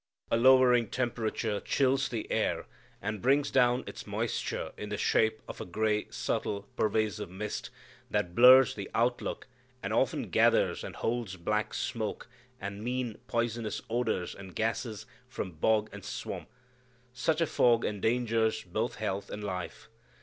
A lowering temperature chills the air, and brings down its moisture in the shape of a gray subtle pervasive mist, that blurs the outlook, and often gathers and holds black smoke, and mean poisonous odors and gases from bog and swamp. Such a fog endangers both health and life.